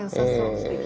すてきな。